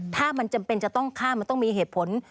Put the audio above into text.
ถ้ามันจำเป็นจะต้องฆ่ามันต้องมีเหตุผล